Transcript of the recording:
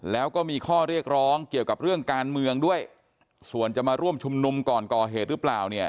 แล้วก็มีข้อเรียกร้องเกี่ยวกับเรื่องการเมืองด้วยส่วนจะมาร่วมชุมนุมก่อนก่อเหตุหรือเปล่าเนี่ย